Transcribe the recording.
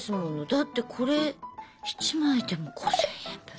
だってこれ１枚でも５０００円分だよ？